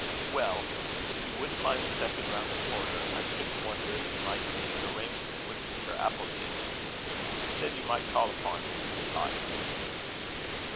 "Well, if you wouldn't mind stepping round the corner, I shouldn't wonder if you might make an arrangement with Mr. Appleditch. He said you might call upon him if you liked."